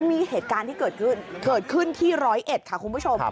มีเหตุการณ์ที่เกิดขึ้นเกิดขึ้นที่ร้อยเอ็ดค่ะคุณผู้ชม